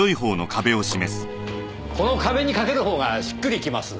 この壁に掛ける方がしっくりきます。